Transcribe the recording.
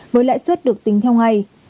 với lãi suất được tính theo ngày